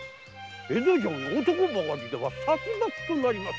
江戸城が男ばかりでは殺伐となりまする。